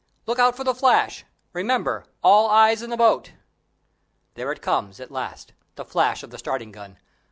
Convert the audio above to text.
Look out for the flash. Remember, all eyes in the boat." There it comes, at last the flash of the starting gun.